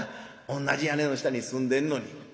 同じ屋根の下に住んでんのに」。